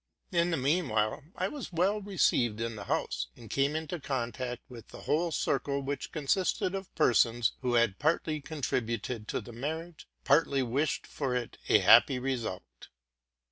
In the mean time I was well received in the house, and came into contact with the whole circle, which consisted of persons who had partly contributed to the mar riage, partly wished for it a happy result.